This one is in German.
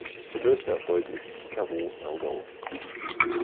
Ihr größter Erfolg ist "Hikaru no Go".